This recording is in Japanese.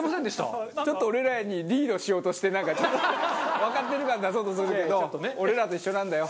バカリズム：ちょっと俺らより、リードしようとしてわかってる感、出そうとするけど俺らと一緒なんだよ。